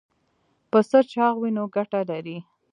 پسه چاغ وي نو ګټه لري.